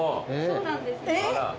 そうなんです。